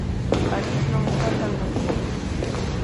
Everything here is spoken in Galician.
París non está tan lonxe.